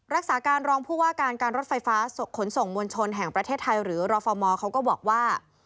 รักษาการรองผู้ว่าการการรถไฟฟ้าขนส่งมวลชนแห่งประเทศไทยหรือรฟมเขาก็บอกว่า